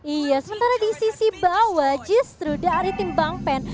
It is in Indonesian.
iya sementara di sisi bawah justru dari tim bang pen